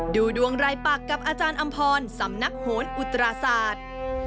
ดูดวงรายปักกับอาจารย์อำพรสำนักโหนอุตราศาสตร์